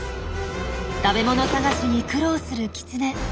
食べ物探しに苦労するキツネ。